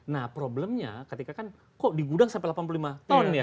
nah problemnya ketika kan kok di gudang sampai delapan puluh lima ton ya